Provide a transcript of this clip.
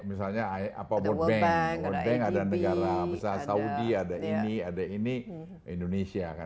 misalnya world bank ada negara saudi ada ini ada ini indonesia